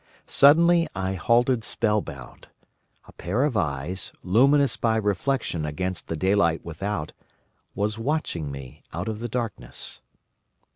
Suddenly I halted spellbound. A pair of eyes, luminous by reflection against the daylight without, was watching me out of the darkness.